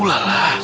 uh lah lah